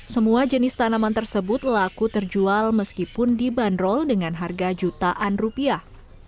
semua jenis tanaman tersebut laku terjual meskipun dibanderol dengan harga jutaan rupiah